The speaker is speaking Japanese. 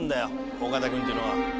尾形君っていうのは。